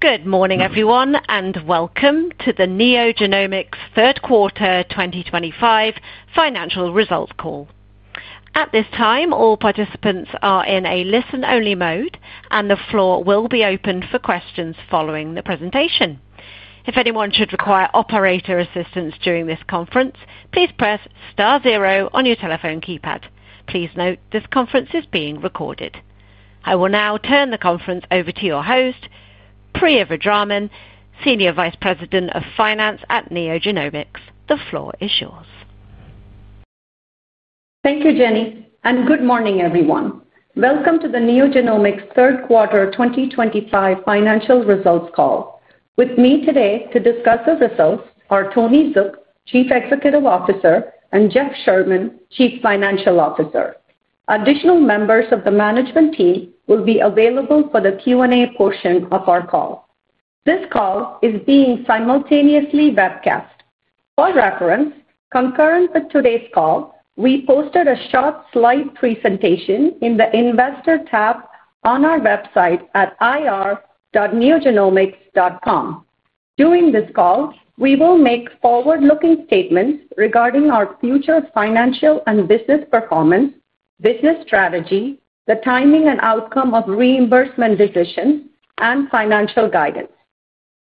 Good morning everyone and welcome to the NeoGenomics third quarter 2025 financial results call. At this time, all participants are in a listen only mode and the floor will be open for questions following the presentation. If anyone should require operator assistance during this conference, please press zero on your telephone keypad. Please note this conference is being recorded. I will now turn the conference over to your host, Priya Vedaraman, Senior Vice President of Finance at NeoGenomics. The floor is yours. Thank you Jenny and good morning everyone. Welcome to the NeoGenomics third quarter 2025 financial results call. With me today to discuss the results are Tony Zook, Chief Executive Officer, and Jeff Sherman, Chief Financial Officer. Additional members of the management team will be available for the Q and A portion of our call. This call is being simultaneously webcast for reference. Concurrent with today's call, we posted a short slide presentation in the Investor tab on our website at ir.neogenomics.com. During this call we will make forward looking statements regarding our future financial and business performance, business strategy, the timing and outcome of reimbursement decisions, and financial guidance.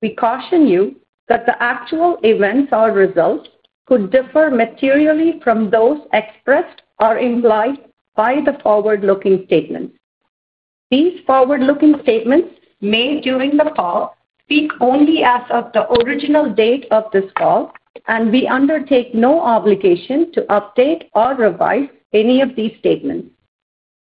We caution you that the actual events or results could differ materially from those expressed or implied by the forward looking statements. These forward looking statements made during the call speak only as of the original date of this call and we undertake no obligation to update or revise any of these statements.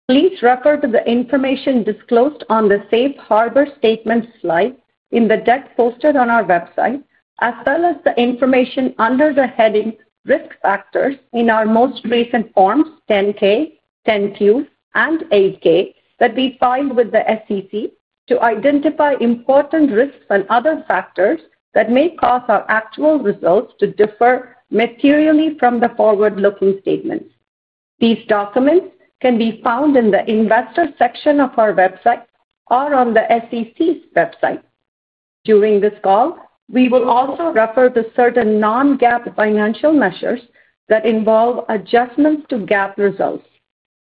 Please refer to the information disclosed on the Safe Harbor Statement slide in the deck posted on our website as well as the information under the heading Risk Factors in our most recent Forms 10-K, 10-Q, and 8-K that we filed with the SEC to identify important risks and other factors that may cause our actual results to differ materially from the forward looking statements. These documents can be found in the Investor section of our website or on the SEC's website. During this call we will also refer to certain non-GAAP financial measures that involve adjustments to GAAP results.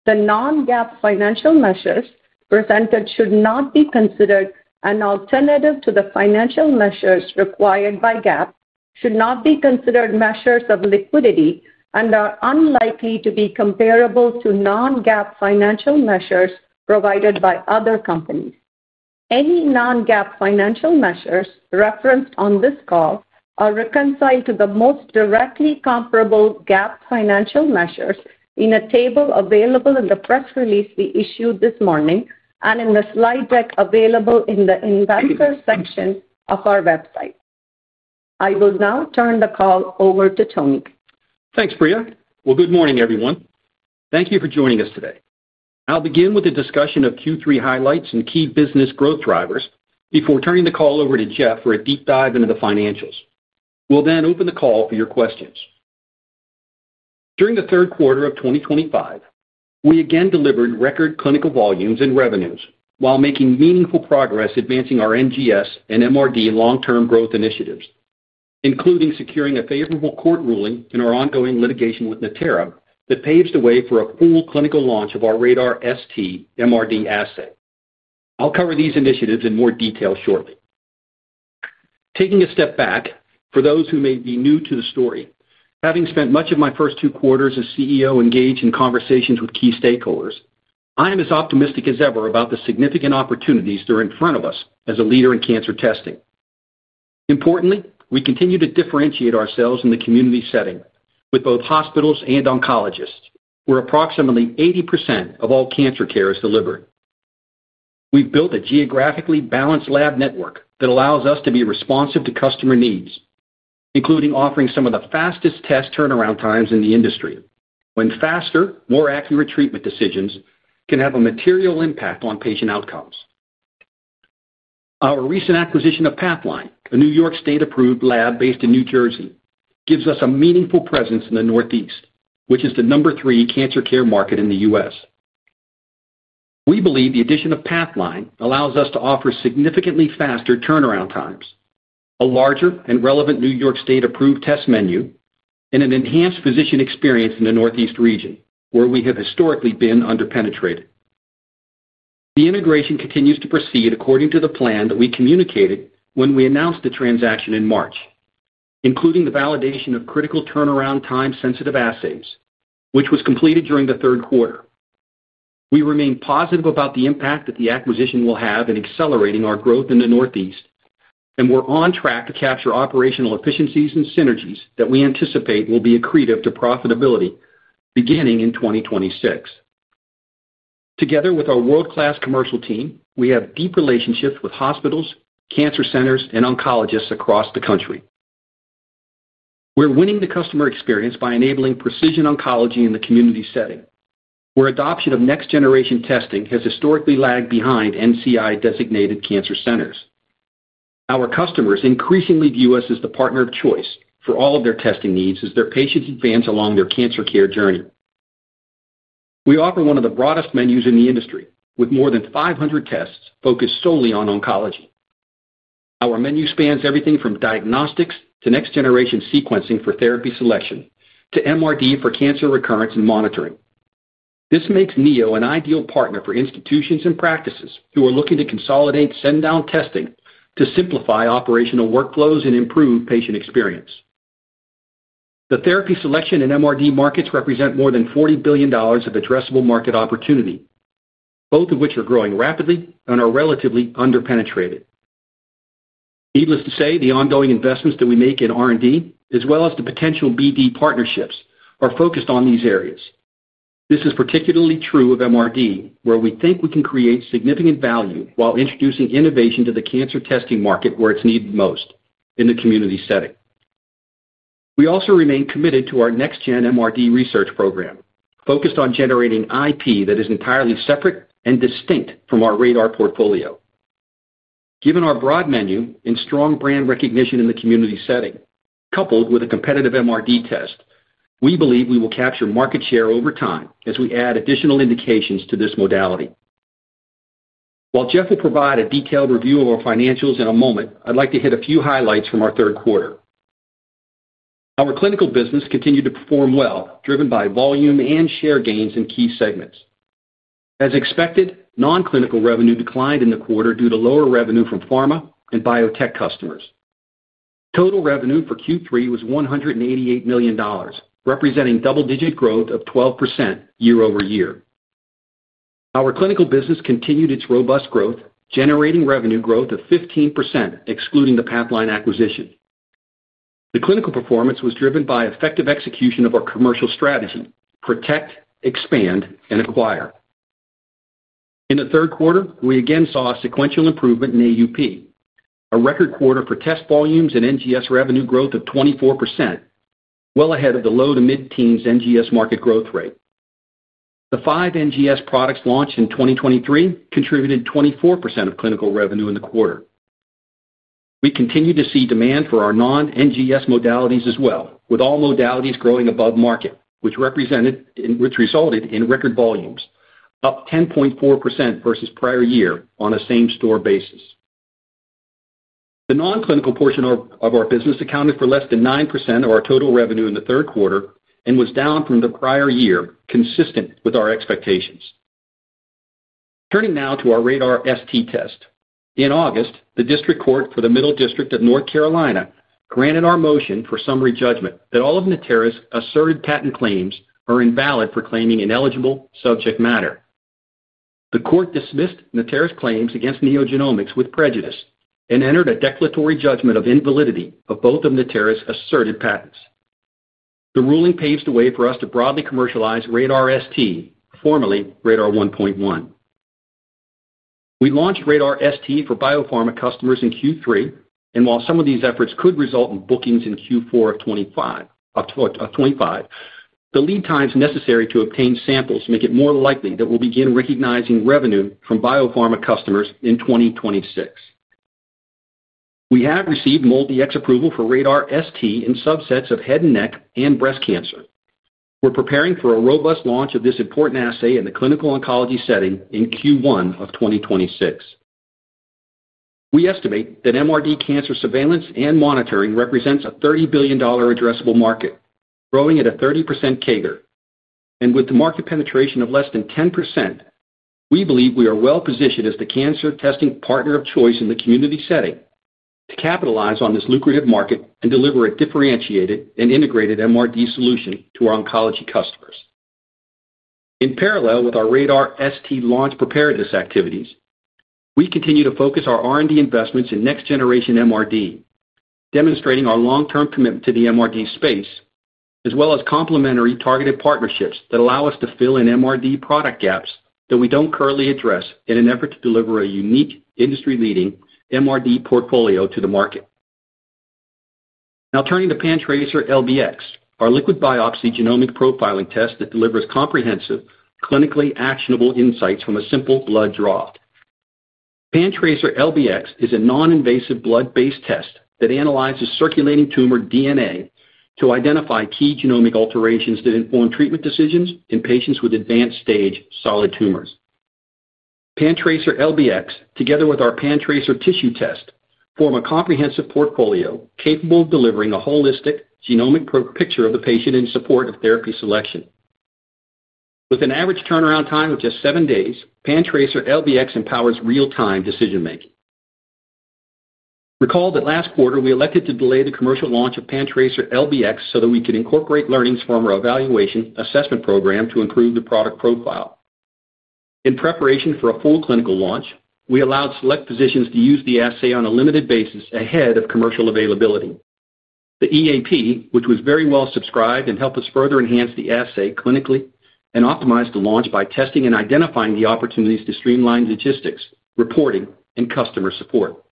The non-GAAP financial measures presented should not be considered an alternative to the financial measures required by GAAP, should not be considered measures of liquidity, and are unlikely to be comparable to non-GAAP financial measures provided by other companies. Any non-GAAP financial measures referenced on this call are reconciled to the most directly comparable GAAP financial measures in a table available in the press release we issued this morning and in the slide deck available in the Investors section of our website. I will now turn the call over to Tony. Thanks Priya. Good morning everyone. Thank you for joining us today. I'll begin with a discussion of Q3 highlights and key business growth drivers before turning the call over to Jeff for a deep dive into the financials. We'll then open the call for your questions. During the third quarter of 2025, we again delivered record clinical volumes and revenues while making meaningful progress advancing our NGS and MRD long term growth initiatives, including securing a favorable court ruling in our ongoing litigation with Natera that paves the way for a full clinical launch of our RaDaR ST MRD assay. I'll cover these initiatives in more detail shortly. Taking a step back for those who may be new to the story, having spent much of my first two quarters as CEO engaged in conversations with key stakeholders, I am as optimistic as ever about the significant opportunities that are in front of us as a leader in cancer testing. Importantly, we continue to differentiate ourselves in the community setting with both hospitals and oncologists where approximately 80% of all cancer care is delivered. We've built a geographically balanced lab network that allows us to be responsive to customer needs, including offering some of the fastest test turnaround times in the industry when faster, more accurate treatment decisions can have a material impact on patient outcomes. Our recent acquisition of Pathline, a New York State approved lab based in New Jersey, gives us a meaningful presence in the Northeast, which is the number three cancer care market in the U.S. We believe the addition of Pathline allows us to offer significantly faster turnaround times, a larger and relevant New York State approved test menu, and an enhanced physician experience in the Northeast region where we have historically been underpenetrated. The integration continues to proceed according to the plan that we communicated when we announced the transaction in March, including the validation of critical turnaround time sensitive assays which was completed during the third quarter. We remain positive about the impact that the acquisition will have in accelerating our growth in the Northeast, and we're on track to capture operational efficiencies and synergies that we anticipate will be accretive to profitability beginning in 2026. Together with our world class commercial team, we have deep relationships with hospitals, cancer centers and oncologists across the country. We're winning the customer experience by enabling precision oncology in the community setting where adoption of next-generation testing has historically lagged behind NCI-designated cancer centers. Our customers increasingly view us as the partner of choice for all of their testing needs as their patients advance along their cancer care journey. We offer one of the broadest menus in the industry with more than 500 tests focused solely on oncology. Our menu spans everything from diagnostics to next-generation sequencing for therapy selection to MRD for cancer recurrence and monitoring. This makes NeoGenomics an ideal partner for institutions and practices who are looking to consolidate send-out testing to simplify operational workflows and improve patient experience. The therapy selection and MRD markets represent more than $40 billion of addressable market opportunity, both of which are growing rapidly and are relatively underpenetrated. Needless to say, the ongoing investments that we make in R&D as well as the potential BD partnerships are focused on these areas. This is particularly true of MRD where we think we can create significant value while introducing innovation to the cancer testing market where it's needed in the community setting. We also remain committed to our next-gen MRD research program focused on generating IP that is entirely separate and distinct from our RaDaR portfolio. Given our broad menu and strong brand recognition in the community setting, coupled with a competitive MRD test, we believe we will capture market share over time as we add additional indications to this modality. While Jeff will provide a detailed review of our financials in a moment, I'd like to hit a few highlights from our third quarter. Our clinical business continued to perform well, driven by volume and share gains in key segments. As expected, nonclinical revenue declined in the quarter due to lower revenue from pharma and biotech customers. Total revenue for Q3 was $188 million, representing double-digit growth of 12% year-over-year. Our clinical business continued its robust growth, generating revenue growth of 15% excluding the Pathline acquisition. The clinical performance was driven by effective execution of our commercial strategy: protect, expand, and acquire. In the third quarter, we again saw a sequential improvement in AUP, a record quarter for test volumes, and NGS revenue growth of 24%, well ahead of the low to mid-teens NGS market growth rate. The five NGS products launched in 2023 contributed 24% of clinical revenue in the quarter. We continue to see demand for our non-NGS modalities as well, with all modalities growing above market, which resulted in record volumes up 10.4% versus prior year on a same-store basis. The non-clinical portion of our business accounted for less than 9% of our total revenue in the third quarter and was down from the prior year, consistent with our expectations. Turning now to our RaDaR ST MRD assay, in August, the District Court for the Middle District of North Carolina granted our motion for summary judgment that all of Natera's asserted patent claims are invalid for claiming ineligible subject matter. The court dismissed Natera's claims against NeoGenomics with prejudice and entered a declaratory judgment of invalidity of both of Natera's asserted patents. The ruling paves the way for us to broadly commercialize RaDaR ST, formerly RaDaR 1.1. We launched RaDaR ST for biopharma customers in Q3, and while some of these efforts could result in bookings in Q4 of 2025, the lead times necessary to obtain samples make it more likely that we'll begin recognizing revenue from biopharma customers in 2026. We have received MolDX approval for RaDaR ST in subsets of head and neck and breast cancer. We're preparing for a robust launch of this important assay in the clinical oncology setting in Q1 of 2026. We estimate that MRD cancer surveillance and monitoring represents a $30 billion addressable market, growing at a 30% CAGR, and with the market penetration of less than 10%, we believe we are well positioned as the cancer testing partner of choice in the community setting to capitalize on this lucrative market and deliver a differentiated and integrated MRD solution to our oncology customers. In parallel with our RaDaR ST launch preparedness activities, we continue to focus our R&D investments in next-generation MRD, demonstrating our long-term commitment to the MRD space as well as complementary targeted partnerships that allow us to fill in MRD product gaps that we don't currently address in an effort to deliver a unique industry-leading MRD portfolio to the market. Now turning to PanTracer LBx, our liquid biopsy genomic profiling test that delivers comprehensive, clinically actionable insights from a simple blood draw. PanTracer LBx is a non-invasive blood-based test that analyzes circulating tumor DNA to identify key genomic alterations that inform treatment decisions in patients with advanced stage solid tumors. PanTracer LBx, together with our PanTracer Tissue Test, form a comprehensive portfolio capable of delivering a holistic genomic picture of the patient in support of therapy selection. With an average turnaround time of just seven days, PanTracer LBx empowers real-time decision making. Recall that last quarter we elected to delay the commercial launch of PanTracer LBx so that we could incorporate learnings from our Evaluation Assessment Program to improve the product profile in preparation for a full clinical launch. We allowed select physicians to use the assay on a limited basis ahead of commercial availability. The EAP, which was very well subscribed, helped us further enhance the assay clinically and optimize the launch by testing and identifying the opportunities to streamline logistics, reporting, and customer support.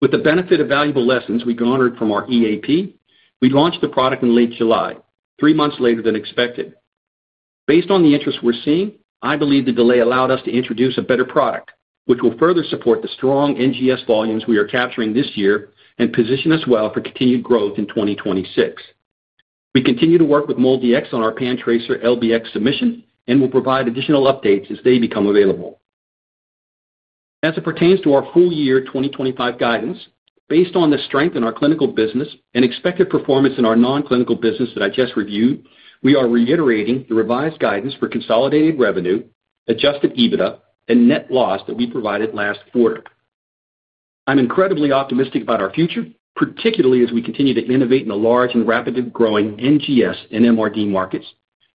With the benefit of valuable lessons we garnered from our EAP, we launched the product in late July, three months later than expected. Based on the interest we're seeing, I believe the delay allowed us to introduce a better product which will further support the strong NGS volumes we are capturing this year and position us well for continued growth in 2026. We continue to work with MolDX on our PanTracer LBx submission and will provide additional updates as they become available. As it pertains to our full year 2025 guidance, based on the strength in our clinical business and expected performance in our non-clinical business that I just reviewed, we have revised guidance for consolidated revenue, adjusted EBITDA, and net loss that we provided last quarter. I'm incredibly optimistic about our future, particularly as we continue to innovate in the large and rapidly growing NGS and MRD markets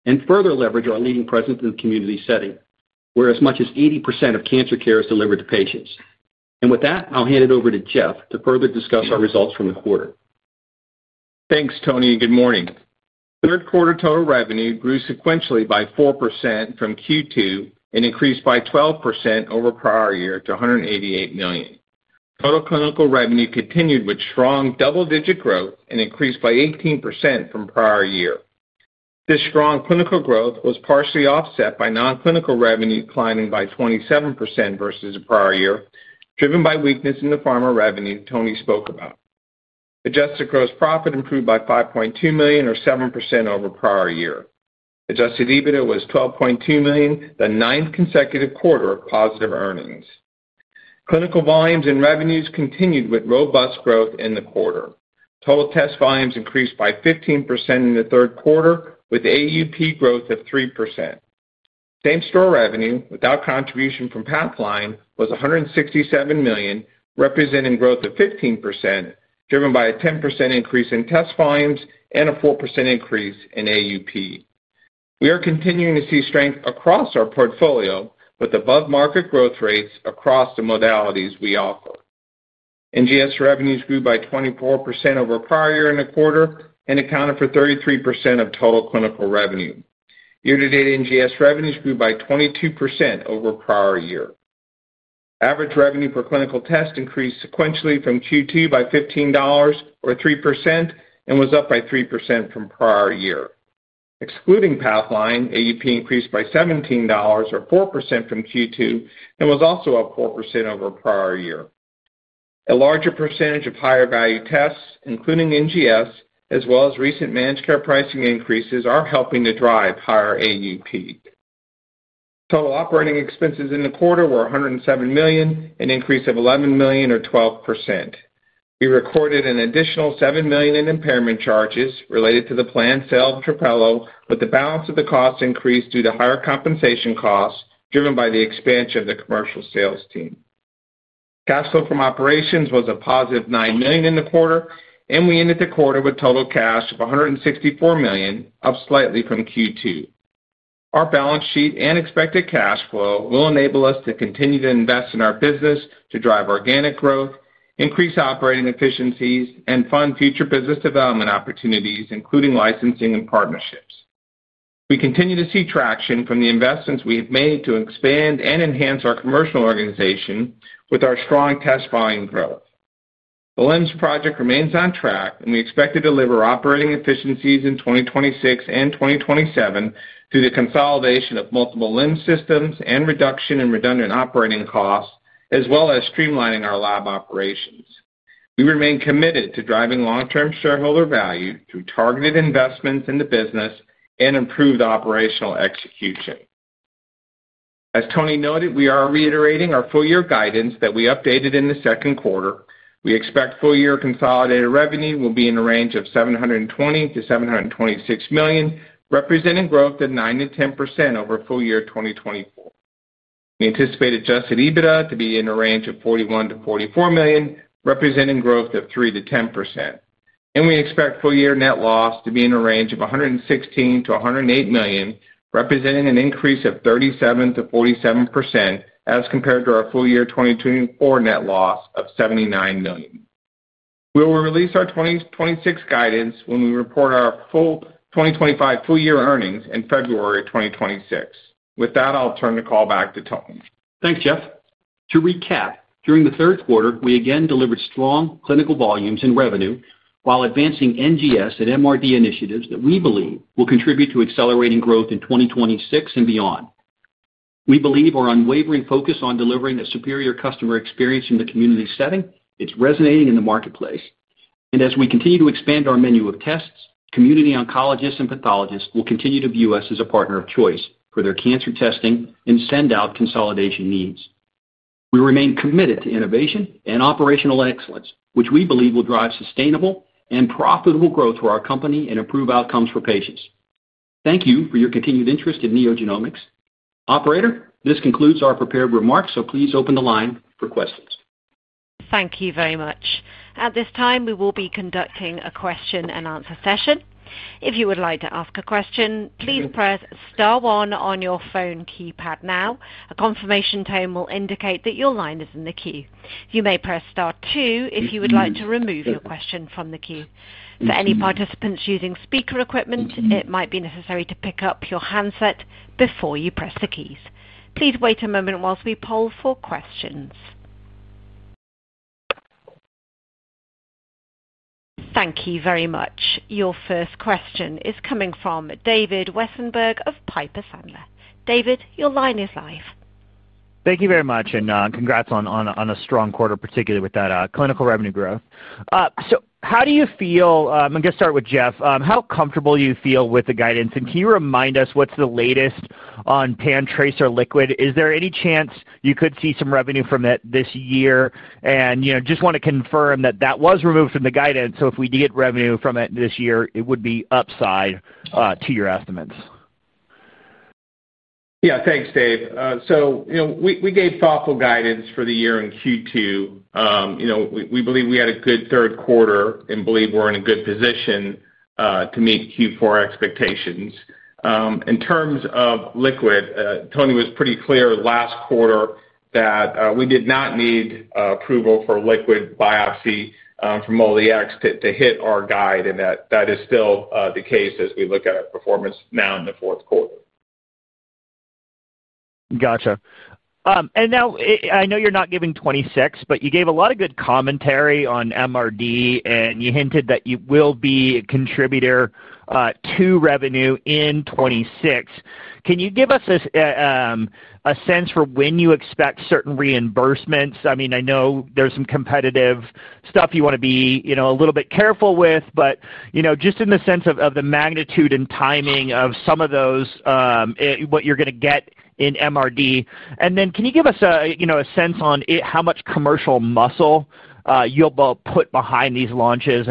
and further leverage our leading presence in the community setting where as much as 80% of cancer care is delivered to patients. With that, I'll hand it over to Jeff to further discuss our results from the quarter. Thanks Tony and good morning. Third quarter total revenue grew sequentially by 4% from Q2 and increased by 12% over prior year to $188 million. Total clinical revenue continued with strong double digit growth and increased by 18% from prior year. This strong clinical growth was partially offset by non-clinical revenue declining by 27% versus the prior year, driven by weakness in the pharma revenue Tony spoke about. Adjusted gross profit improved by $5.2 million or 7% over prior year. Adjusted EBITDA was $12.2 million, the ninth consecutive quarter of positive earnings. Clinical volumes and revenues continued with robust growth in the quarter. Total test volumes increased by 15% in the third quarter with AUP growth of 3%. Same store revenue without contribution from Pathline was $167 million, representing growth of 15% driven by a 10% increase in test volumes and a 4% increase in AUP. We are continuing to see strength across our portfolio with above market growth rates across the modalities we offer. NGS revenues grew by 24% over prior year in the quarter and accounted for 33% of total clinical revenue year to date. NGS revenues grew by 22% over prior year. Average revenue per clinical test increased sequentially from Q2 by $15 or 3% and was up by 3% from prior year excluding Pathline. AUP increased by $17 or 4% from Q2 and was also up 4% over prior year. A larger percentage of higher value tests including NGS as well as recent managed care pricing increases are helping to drive higher AUP. Total operating expenses in the quarter were $107 million, an increase of $11 million or 12%. We recorded an additional $7 million in impairment charges related to the planned sale of Trapelo, with the balance of the cost increase due to higher compensation costs driven by the expansion of the commercial sales team. Cash flow from operations was a positive $9 million in the quarter and we ended the quarter with total cash of $164 million, up slightly from Q2. Our balance sheet and expected cash flow will enable us to continue to invest in our business to drive organic growth, increase operating efficiencies, and fund future business development opportunities including licensing and partnerships. We continue to see traction from the investments we have made to expand and enhance our commercial organization. With our strong test volume growth, the LIMS project remains on track, and we expect to deliver operating efficiencies in 2026 and 2027 through the consolidation of multiple LIMS systems and reduction in redundant operating costs, as well as streamlining our lab operations. We remain committed to driving long-term shareholder value through targeted investments in the business and improved operational execution. As Tony noted, we are reiterating our full-year guidance that we updated in the second quarter. We expect full-year consolidated revenue will be in the range of $720 million-$726 million, representing growth of 9%-10% over full-year 2024. We anticipate adjusted EBITDA to be in a range of $41 million-$44 million, representing growth of 3%-10%, and we expect full-year net loss to be in a range of $116 million-$108 million, representing an increase of 37%-47% as compared to our full-year 2024 net loss of $79 million. We will release our 2026 guidance when we report our full 2025 full-year earnings in February. With that, I'll turn the call back to Tony. Thanks, Jeff. To recap, during the third quarter we again delivered strong clinical volumes and revenue while advancing NGS and MRD initiatives that we believe will contribute to accelerating growth in 2026 and beyond. We believe our unwavering focus on delivering a superior customer experience in the community setting is resonating in the marketplace, and as we continue to expand our menu of tests, community oncologists and pathologists will continue to view us as a partner of choice for their cancer testing and send out consolidation needs. We remain committed to innovation and operational excellence, which we believe will drive sustainable and profitable growth for our company and improve outcomes for patients. Thank you for your continued interest in NeoGenomics. Operator, this concludes our prepared remarks, so please open the line for questions. Thank you very much. At this time, we will be conducting a question-and-answer session. If you would like to ask a question, please press star one on your phone keypad now. A confirmation tone will indicate that your line is in the queue. You may press star two if you would like to remove your question from the queue. For any participants using speaker equipment, it might be necessary to pick up your handset before you press the keys. Please wait a moment while we poll for questions. Thank you very much. Your first question is coming from David Westerberg of Piper Sandler. David, your line is live. Thank you very much. Congrats on a strong quarter, particularly with that clinical revenue growth. How do you feel? I'm going to start with Jeff, how comfortable you feel with the guidance. Can you remind us what's the latest on PanTracer LBx? Is there any chance you could see some revenue from that this year? I just want to confirm that that was removed from the guidance. If we did revenue from it this year, it would be upside to your estimates. Yeah. Thanks, Dave. We gave thoughtful guidance for the year in Q2. We believe we had a good third quarter and believe we're in a good position to meet Q4 expectations. In terms of liquid, Tony was pretty clear last quarter that we did not need approval for liquid biopsy from MolDX to hit our guide. That is still the case as we look at our performance now in the fourth quarter. Gotcha. I know you're not giving 2026, but you gave a lot of good commentary on MRD and you hinted that you will be a contributor to revenue in 2026. Can you give us a sense for when you expect certain reimbursements? I know there's some competitive stuff you want to be a little bit careful with, but just in the sense of the magnitude and timing of some of those, what you're going to get in MRD. Can you give us a sense on how much commercial muscle you'll. be put behind these launches?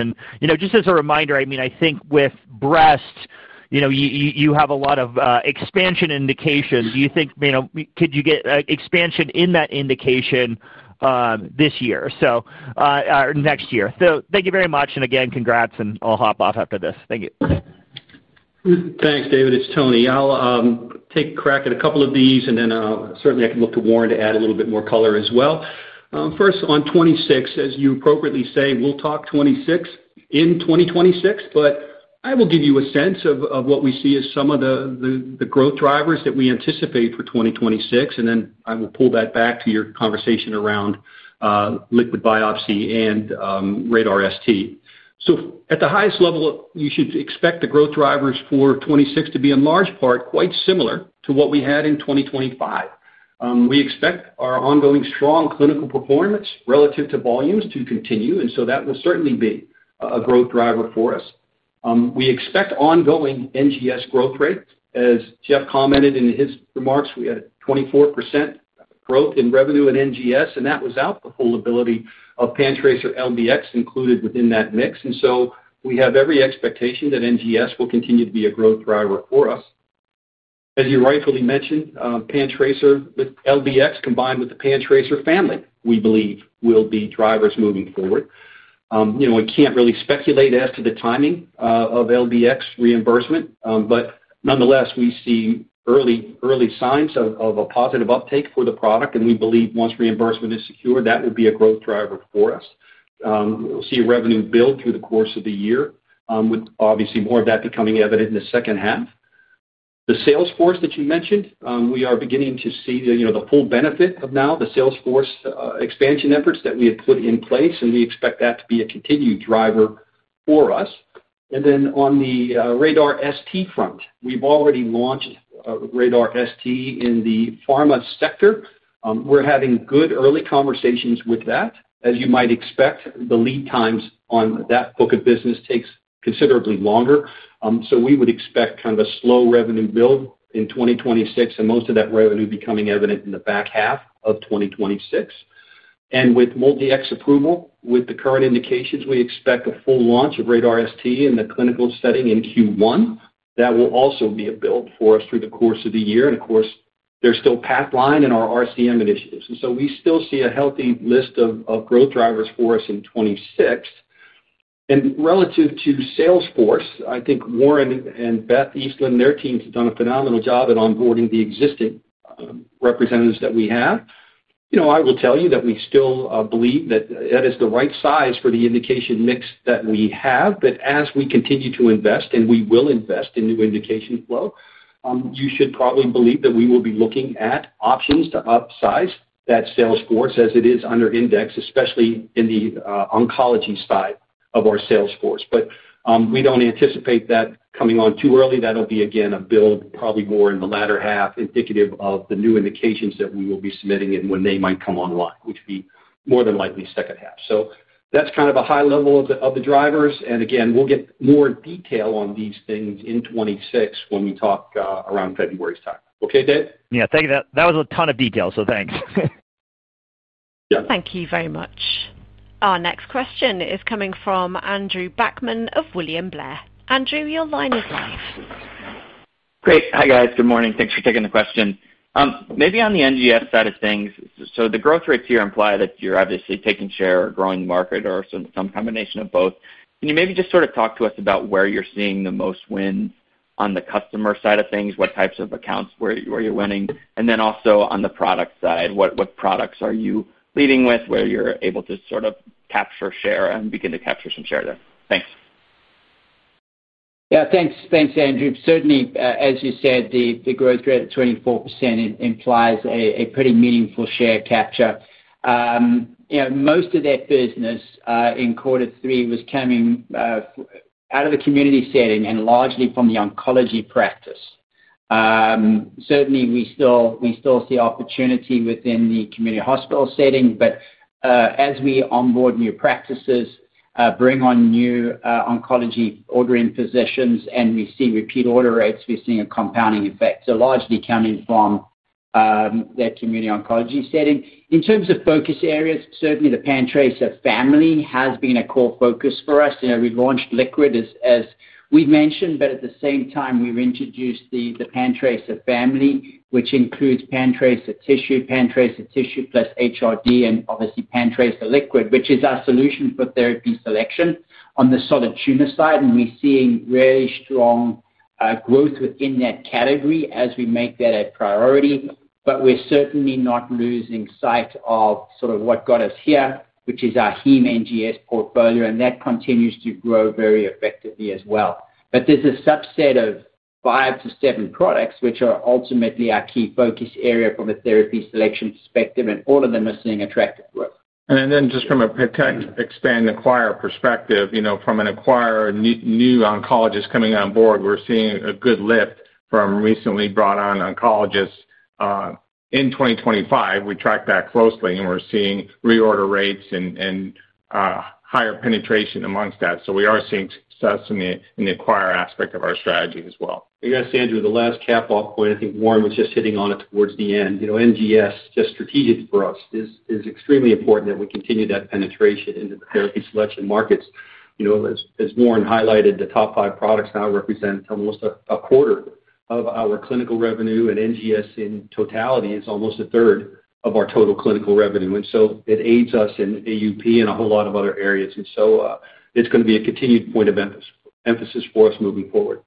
Just as a reminder, I think with breast you have a lot of expansion indications. Do you think you could get expansion in that indication this year, next year? Thank you very much. Again, congrats. I'll hop off after this. Thank you. Thanks, David. It's Tony. I'll take a crack at a couple of these, and then certainly I can look to Warren to add a little bit more color as well. First on 2026, as you appropriately say, we'll talk 2026 in 2026, but I will give you a sense of what we see as some of the growth drivers that we anticipate for 2026, and then I will pull that back to your conversation around liquid biopsy and RaDaR ST. At the highest level, you should expect the growth drivers for 2026 to be in large part quite similar to what we had in 2025. We expect our ongoing strong clinical performance relative to volumes to continue, and that will certainly be a growth driver for us. We expect ongoing NGS growth rate. As Jeff commented in his remarks, we had 24% growth in revenue at NGS, and that was with the hold ability of PanTracer LBx included within that mix. We have every expectation that NGS will continue to be a growth driver for us. As you rightfully mentioned, PanTracer LBx combined with the PanTracer family, we believe, will be drivers moving forward. We can't really speculate as to the timing of LBx reimbursement, but nonetheless, we see early, early signs of a positive uptake for the product, and we believe once reimbursement is secured, that will be a growth driver for us. We'll see revenue build through the course of the year, with obviously more of that becoming evident in the second half. The sales force that you mentioned, we are beginning to see the full benefit of now, the sales force expansion efforts that we have put in, and we expect that to be a continued driver for us. On the RaDaR ST front, we've already launched RaDaR ST in the pharma sector. We're having good early conversations with that. As you might expect, the lead times on that book of business take considerably longer, so we would expect kind of a slow revenue build in 2026 and most of that revenue becoming evident in the back half of 2026. With MolDX approval, with the current indications, we expect a full launch of RaDaR ST in the clinical setting in Q1. That will also be a build for us through the course of the year. Of course, there's still Pathline and our RCM initiatives, so we still see a healthy list of growth drivers for us in 2026. Relative to sales force, I think Warren and Beth Eastland, their teams have done a phenomenal job at onboarding the existing representatives that we have. You know, I will tell you that we still believe that that is the right size for the indication mix that we have. As we continue to invest and we will invest in new indication Flow, you should probably believe that we will be looking at options to upsize that sales force as it is under index, especially in the oncology side of our sales force. We don't anticipate that coming on too early. That'll be again, a build, probably more in the latter half, indicative of the new indications that we will be submitt and when they might come online, which would be more than likely second half. That's kind of a high level of the drivers. Again, we'll get more detail on these things in 2026 when we talk around February's time. Okay, Dave? Yeah, thank you. That was a ton of detail. So thanks. Thank you very much. Our next question is coming from Andrew Brackmann of William Blair. Andrew, your line is live. Great. Hi guys. Good morning. Thanks for taking the question. Maybe on the NGS side of things, the growth rates here imply that you're obviously taking share, growing market, or some combination of both. Can you maybe just sort of talk to us about where you're seeing the most wins on the customer side of things, what types of accounts where you're winning, and then also on the product side, what products are you leading with, where you're able to sort of capture share and begin to capture some share there? Thanks. Yeah, thanks. Thanks, Andrew. Certainly, as you said, the growth rate of 24% implies a pretty meaningful share capture. Most of that business in quarter three was coming out of the community setting and largely from the oncology practice. Certainly, we still see opportunity within the community hospital setting, but as we onboard new practices, bring on new oncology ordering positions, and we see repeat order rates, we're seeing a compounding effect, so largely coming from that community oncology setting. In terms of focus areas, certainly the PanTracer family has been a core focus for us. We launched liquid, as we mentioned, but at the same time we've introduced the PanTracer family, which includes PanTracer tissue, PanTracer tissue plus HRD, and obviously PanTracer liquid, which is our solution for therapy selection on the solid tumor side. We're seeing really strong growth within that category as we make that a priority. We're certainly not losing sight of what got us here, which is our heme NGS portfolio, and that continues to grow very effectively as well. There's a subset of five to seven products which are ultimately our key focus area from a therapy selection perspective, and all of them are seeing attractive. From a protect, expand, acquire perspective, from an acquire or new oncologist coming on board, we're seeing a good lift from recently brought on oncologists in 2025. We track that closely, and we're seeing reorder rates and higher penetration amongst that. We are seeing success in the acquire aspect of our strategy as well, I guess. Andrew, the last cat off point, I think Warren was just hitting on it towards the end. You know, NGS just strategic for us is, is extremely important that we continue that penetration into the therapy selection markets. You know, as Warren highlighted, the top five products now represent almost a quarter of our clinical revenue. NGS in totality is almost a third of our total clinical revenue. It aids us in AUP and a whole lot of other areas. It is going to be a continued point of emphasis for us moving forward.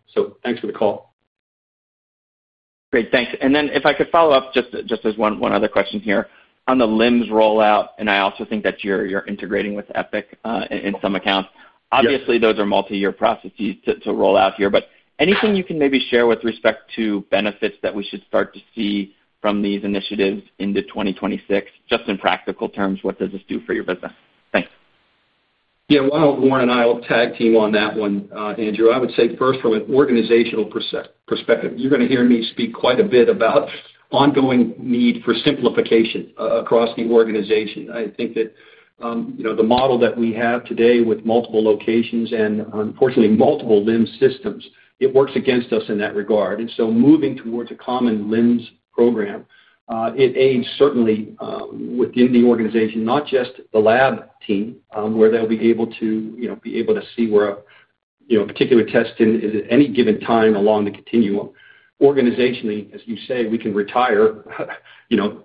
Thanks for the call. Great, thanks. If I could follow up just as one other question here on the LIMS rollout. I also think that integrating with EPIC in some accounts, obviously those are multi-year processes to roll out here, but anything you can maybe share with respect to benefits that we should start to see from these initiatives into 2026? Just in practical terms, what does this do for your business? Thanks. Yeah. While Warren and I will tag team on that one, Andrew, I would say first from an organizational perspective, you're going to hear me speak quite a bit about ongoing need for simplification across the organization. I think that the model that we have today with multiple locations and unfortunately multiple LIMS systems works against us in that regard. Moving towards a common LIMS program aids certainly within the organization, not just the lab team, where they'll be able to see where a particular test is at any given time along the continuum. Organizationally, as you say, we can retire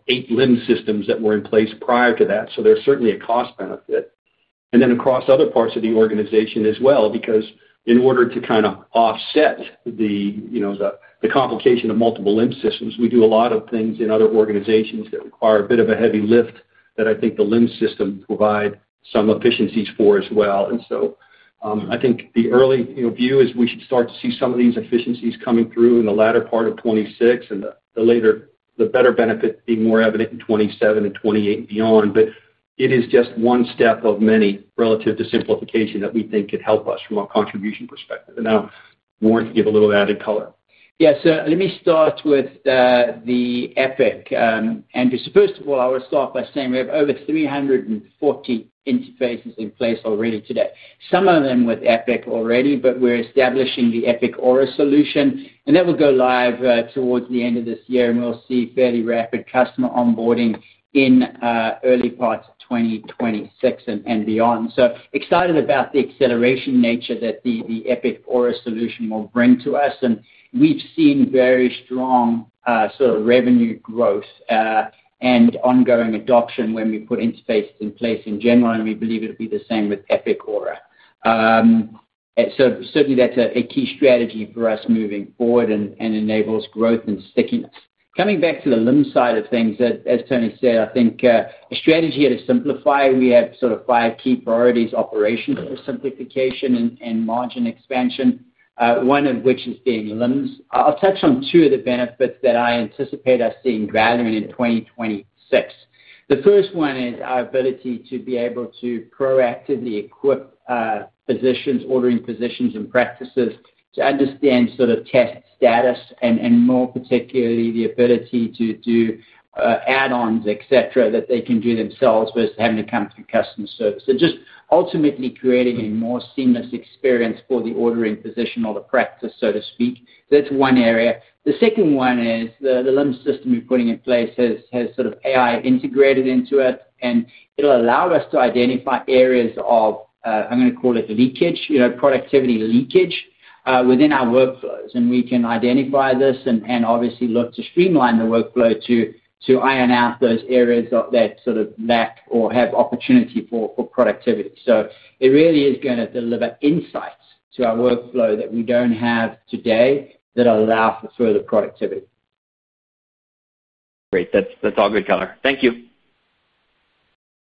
8 LIMS systems that were in place prior to that, so there's certainly a cost benefit. Then across other parts of the organization as well, because in order to offset the complication of multiple LIMS systems, we do a lot of things in other organizations that require a bit of a heavy lift that I think the LIMS system provides some efficiencies for as well. I think the early view is we should start to see some of these efficiencies coming through in the latter part of 2026 and the later, the better benefit being more evident in 2027 and 2028 and beyond. It is just one step of many relative to simplification that we think could help us from a contribution perspective. Now Warren can give a little added color. Yes. Let me start with the EPIC, Andrew. First of all, I will start by saying we have over 340 interfaces in place already today, some of them with EPIC already. We're establishing the EPIC Aura solution and that will go live towards the end of this year. We'll see fairly rapid customer onboarding in early parts of 2026 and beyond. Excited about the acceleration nature that the EPIC Aura solution will bring to us. We've seen very strong sort of revenue growth and ongoing adoption when we put interfaces in place in general. We believe it'll be the same with EPIC Aura. Certainly that's a key strategy for us moving forward and enables growth and stickiness. Coming back to the LIMS side of things, as Tony said, I think a strategy to simplify. We have sort of five key priorities, operations for simplification and margin expansion, one of which is being LIMS. I'll touch on two of the benefits that I anticipate or see valuing in 2026. The first one is our ability to be able to proactively equip physicians, ordering positions and practices to understand sort of test status and more particularly the ability to do add-ons, et cetera, that they can do themselves versus having to come through customer service. Ultimately creating a more seamless experience for the ordering position or the practice, so to speak. That's one area. The second one is the LIMS system you're putting in place has sort of AI integrated into it and it allowed us to identify areas of, I'm going to call it leakage, you know, productivity leakage within our workflows. We can identify this and obviously look to streamline the workflow to iron out those areas that sort of lack or have opportunity for productivity. It really is going to deliver insights to our workflow that we don't have today that allow for further productivity. Great. That's all good color. Thank you.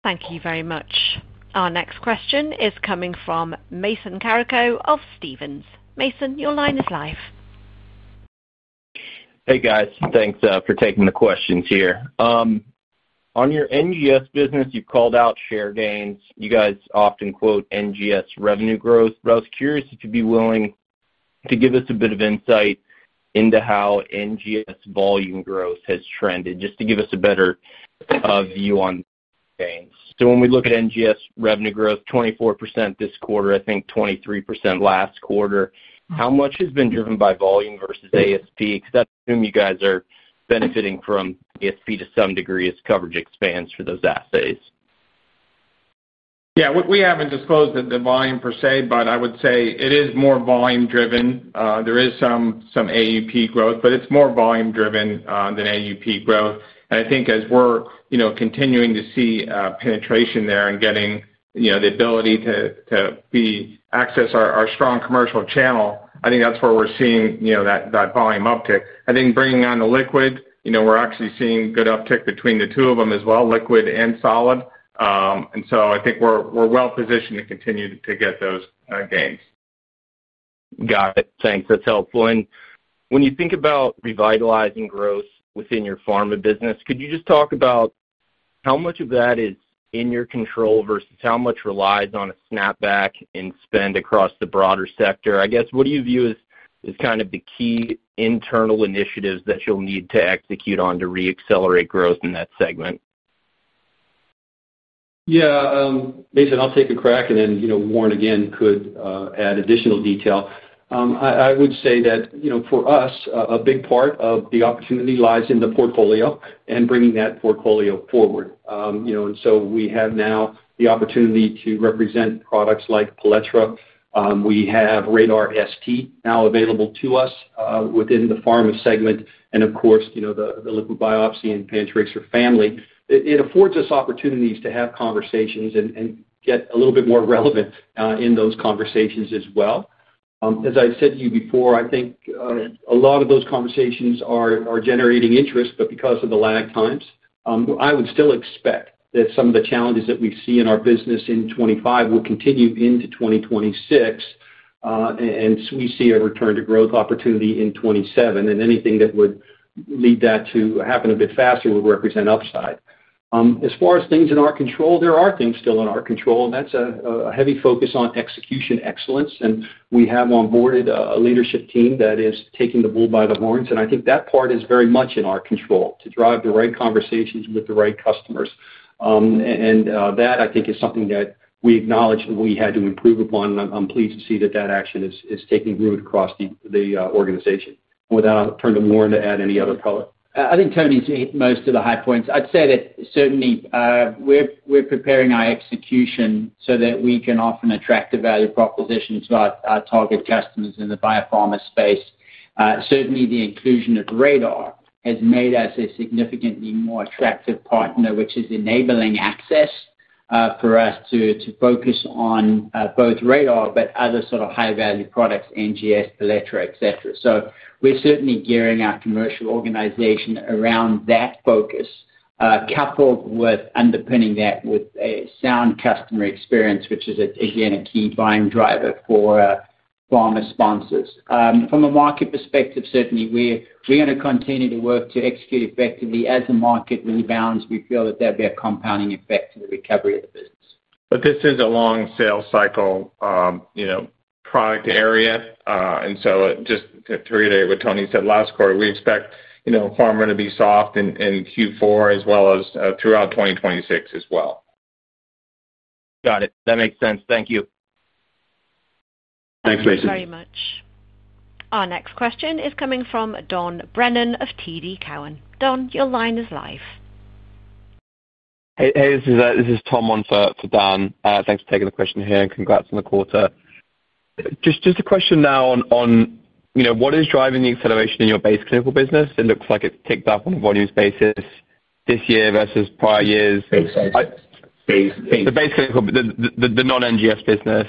Thank you very much. Our next question is coming from Mason Carrico of Stephens. Mason, your line is live. Hey guys, thanks for taking the questions here on your NGS business. You called out share gains. You guys often quote NGS revenue growth, but I was curious if you'd be willing to give us a bit of insight into how NGS volume growth has trended just to give us a better view on gains. When we look at NGS revenue growth, 24% this quarter, I think 23% last quarter, how much has been driven by volume versus ASP, because I assume you guys are benefiting from ASP to some degree as coverage expands for those assays? Yeah, we haven't disclosed the volume per se, but I would say it is more volume driven. There is some AUP growth, but it's more volume driven than AUP growth. I think as we're continuing to see penetration there and getting the ability to access our strong commercial channel, that's where we're seeing that volume uptick. I think bringing on the liquid, we're actually seeing good uptick between the two of them as well, liquid and solid. I think we're well positioned to continue to get those gains. Got it. Thanks. That's helpful. When you think about revitalizing growth within your pharma business, could you just talk about how much of that is in your control versus how much relies on a snapback in spend across the broader sector? What do you view as kind of the key internal initiatives that you'll need to execute on to re-accelerate growth in that segment? Yeah, Mason, I'll take a crack, and then Warren could add additional details. I would say that for us, a big part of the opportunity lies in the portfolio. Bringing that portfolio forward, we have now the opportunity to represent products like PanTracer LBx. We have RaDaR ST now available to us within the pharma segment, and of course the liquid biopsy and PanTracer family. It affords us opportunities to have conversations and get a little bit more relevant in those conversations as well. As I said to you before, I think a lot of those conversations are generating interest, but because of the lag times, I would still expect that some of the challenges that we see in our business in 2025 will continue into 2026, and we see a return to growth opportunity in 2027. Anything that would lead that to happen a bit faster would represent upside. As far as things in our control, there are things still in our control. That's a heavy focus on execution excellence. We have onboarded a leadership team that is taking the bull by the horns. I think that part is very much in our control to drive the right conversations with the right customers. That is something that we acknowledged we had to improve upon, and I'm pleased to see that action is taking root across the organization. With that, I'll turn to Warren to add any other color, I think. Tony's hit most of the high points. I'd say that certainly we're preparing our execution so that we can offer an attractive value proposition to our target customers in the biopharma space. Certainly the inclusion of RaDaR has made us a significantly more attractive partner, which is enabling access for us to focus on both RaDaR but other sort of high value products, NGS, PanTracer LBx, etc. We're certainly gearing our commercial organization around that focus, coupled with underpinning that with a sound customer experience, which is again a key buying driver for pharma sponsors. From a market perspective, certainly we're going to continue to work to execute effectively as the market rebounds. We feel that there'll be a compounding effect to the recovery of the business. This is a long sales cycle product area, and just to reiterate what Tony said last quarter, we expect, you know, pharma to be soft in Q4 as well as throughout 2026 as well. Got it. That makes sense. Thank you. Thanks, Macy. Thank you very much. Our next question is coming from Dan Brennan of TD Cowen. Dan, your line is live. Hey, this is Tom for Dan. Thanks for taking the question here and congrats on the quarter. Just a question now on what is driving the acceleration in your base clinical business? It looks like it's ticked up on a volumes basis this year versus prior years. The base clinical, the non-NGS business.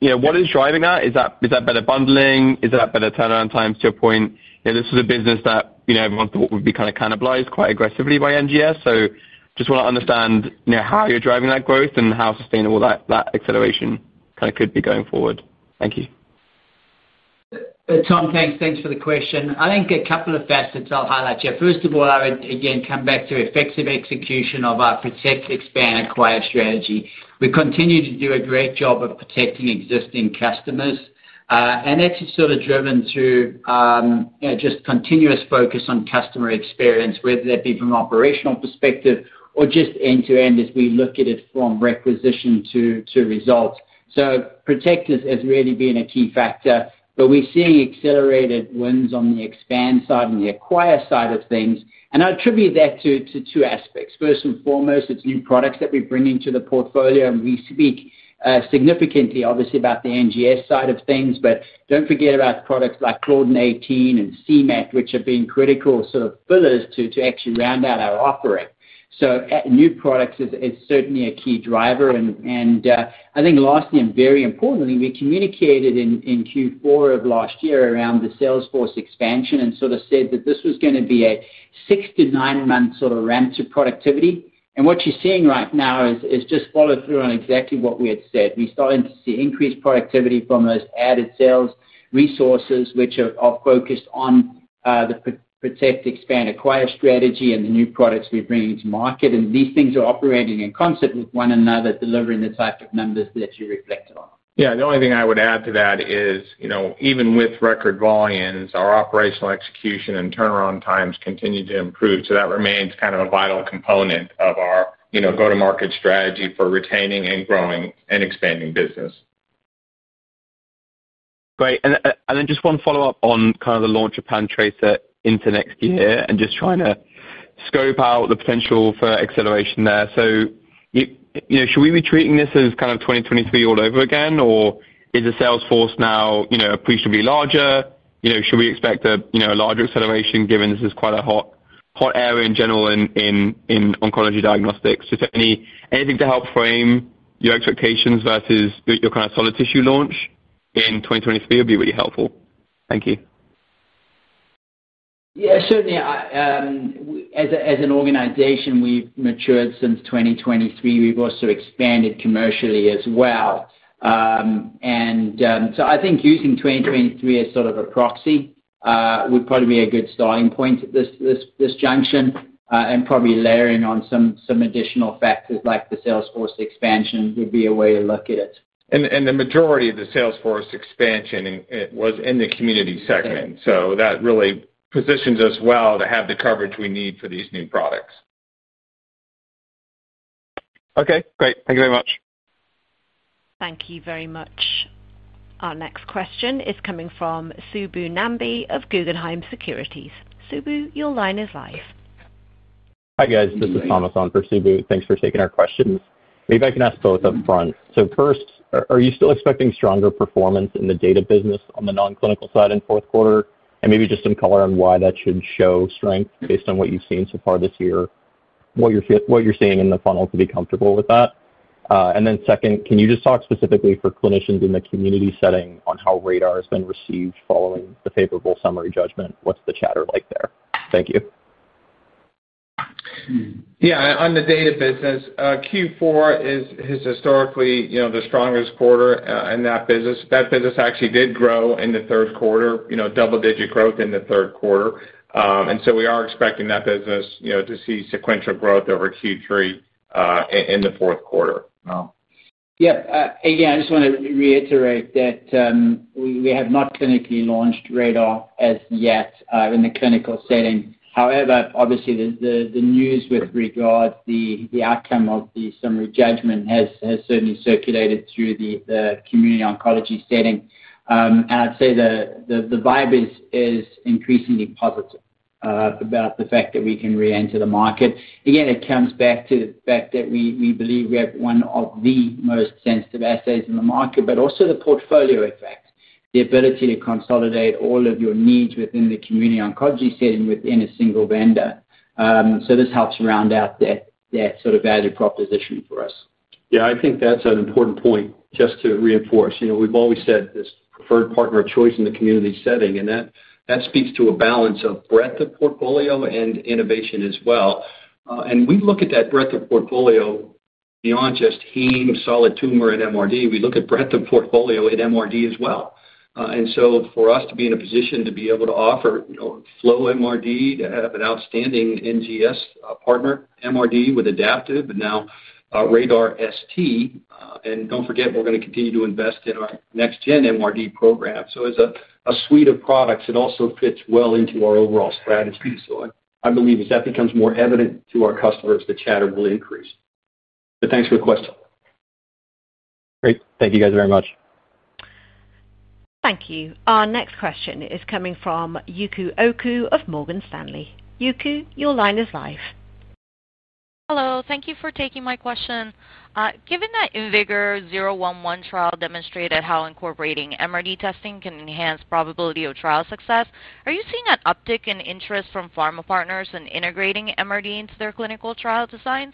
What is driving that? Is that better bundling? Is that better turnaround times to a point? This is a business that everyone thought would be kind of cannibalized quite aggressively by NGS. I just want to understand how you're driving that growth and how sustainable that acceleration kind of could be going forward. Thank you, Tom. Thanks. Thanks for the question. I think a couple of facets I'll highlight. First of all, I would again come back to effective execution of our Protect, Expand, Acquire strategy. We continue to do a great job of protecting existing customers, and that's sort of driven through just continuous focus on customer experience, whether that be from an operational perspective or just end to end as we look at it from requisition to results. Protect has really been a key factor, but we're seeing accelerated wins on the expand side and the acquire side of things. I attribute that to two aspects. First and foremost, it's new products that we bring into the portfolio, and we speak significantly, obviously, about the NGS side of things. Don't forget about products like Claudin-18 and c-MET, which have been critical sort of pillars to actually round out our offering. New products is certainly a key driver. Lastly, and very importantly, we communicated in Q4 of last year around the salesforce expansion and sort of said that this was going to be a six to nine month ramp to productivity. What you're seeing right now is just follow through on exactly what we had said. We started to see increased productivity from those added sales resources, which are focused on the Protect, Expand, Acquire strategy and the new products we're bringing to market. These things are operating in concert with one another, delivering the type of numbers that you reflected on. The only thing I would add to that is, even with record volumes, our operational execution and turnaround times continue to improve. That remains a vital component of our go to market strategy for retaining, growing, and expanding business. Great. Just one follow up on the launch of PanTracer LBx into next year and trying to scope out the potential for acceleration there. Should we be treating this as. Kind of 2023 all over again. Is the sales force now appreciably larger? Should we expect a larger acceleration? Given this is quite a hot area in general in oncology diagnostics, is there anything to help frame your expectations versus your kind of solid tissue launch in 2023 would be really helpful, thank you. Yeah, certainly as an organization we've matured since 2023. We've also expanded commercially as well. I think using 2023 as sort of a proxy would probably be a good starting point at this junction and probably layering on some additional factors like the Salesforce expansion would be a way to look at it. The majority of the Salesforce expansion was in the community segment, so that really positions us well to have the coverage we need for these new products. Okay, great. Thank you very much. Thank you very much. Our next question is coming from Subbu Nambi of Guggenheim Securities. Subbu, your line is live. Hi guys, this is Thomas on for Subbu. Thanks for taking our questions. Maybe I can ask both up front. First, are you still expecting stronger performance in the data business on the non-clinical side in the fourth quarter, and maybe just some color on why that should show strength based on what you've seen so far this year, what you're seeing in the funnel to be comfortable with that. Second, can you just talk. Specifically for clinicians in the community setting. how RaDaR ST MRD assay has been received following the favorable summary judgment, what's the chatter like there? Thank you. Yeah, on the data business, Q4 is historically the strongest quarter in that business. Business actually did grow in the third quarter, double-digit growth in the third quarter. We are expecting that business to see sequential growth over Q3 in the fourth quarter. Yep. Again, I just want to reiterate that we have not clinically launched RaDaR ST MRD assay as yet in the clinical setting. However, obviously the news with regards to the outcome of the summary judgment has certainly circulated through the community oncology setting, and I'd say the vibe is increasingly positive about the fact that we can re-enter the market. It comes back to the fact that we believe we have one of the most sensitive assays in the market, but also the portfolio effect, the ability to consolidate all of your needs within the community oncology setting within a single vendor. This helps round out that sort of value proposition for us. Yeah, I think that's an important point. Just to reinforce, you know, we've always said this preferred partner of choice in the community setting, and that speaks to a balance of breadth of portfolio and innovation as well. We look at that breadth of portfolio beyond just heme, solid tumor, and MRD. We look at breadth of portfolio at MRD as well. For us to be in a position to be able to offer flow MRD, to have an outstanding NGS partner, MRD with Adaptive and now RaDaR ST. Don't forget we're going to continue to invest in our next-gen MRD program. As a suite of products, it also fits well into our overall strategy. I believe as that becomes more evident to our customers, the chatter will increase. Thanks for the question. Great, thank you guys very much. Thank you. Our next question is coming from Yuko Oku of Morgan Stanley. Yuko, your line is live. Hello, thank you for taking my question. Given that IMvigor011 trial demonstrated how incorporating MRD testing can enhance probability of trial success, are you seeing an uptick in interest from pharma partners in integrating MRD into their clinical trial designs,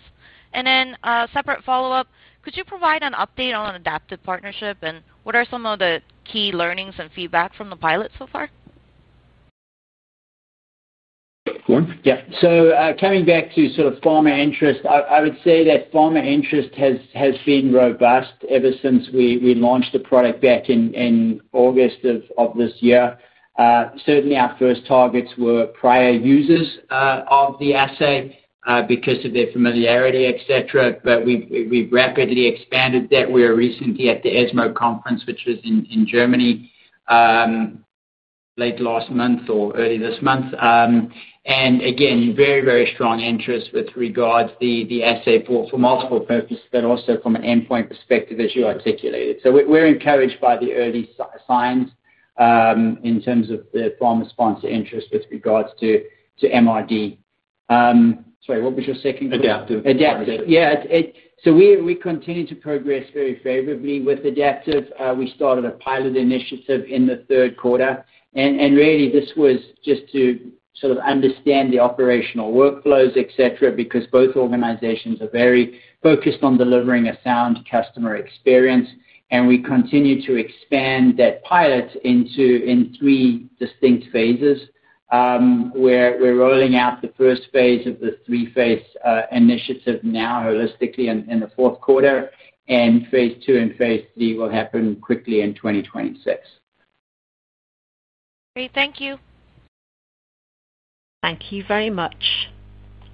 and then separate follow up, could you provide an update on adaptive partnership and what are some of the key learnings and feedback from the pilot so far? Yeah, so coming back to sort of pharma interest, I would say that pharma interest has been robust ever since we launched the product back in August of this year. Certainly our first targets were prior users of the assay because of their familiarity, et cetera, but we've rapidly expanded that. We were recently at the ESMO conference, which was in Germany late last month or early this month, and again, very, very strong interest with regards to the assay port for multiple purposes but also from an endpoint perspective as you articulated. We're encouraged by the early signs in terms of the pharma sponsor interest with regards to MRD. Sorry, what was your second? Adaptive, yeah. We continue to progress very favorably with Adaptive. We started a pilot initiative in the third quarter and this was just to sort of understand the operational workflows, et cetera, because both organizations are very focused on delivering a sound customer experience. We continue to expand that pilot into three distinct phases where we're rolling out phase I of the three-phase initiative now holistically in the fourth quarter, and phase II and phase III will happen quickly in 2026. Great, thank you. Thank you very much.